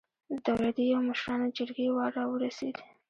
د دولتي او مشرانو جرګې وار راورسېد.